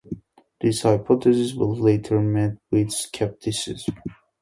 This hypothesis was later met with skepticism.